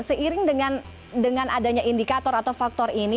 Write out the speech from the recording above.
seiring dengan adanya indikator atau faktor ini